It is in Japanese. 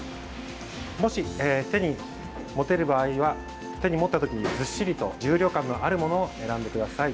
もし手に持てる場合は手に持った時にずっしりと重量感のあるものを選んでください。